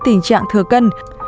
tình trạng thừa cân